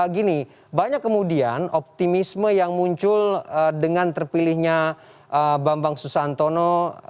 gini banyak kemudian optimisme yang muncul dengan terpilihnya bambang susantono